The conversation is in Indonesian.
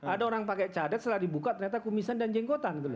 ada orang pakai cadat setelah dibuka ternyata kumisan dan jengkotan